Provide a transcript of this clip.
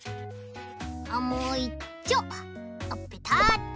あっもういっちょうペタッと。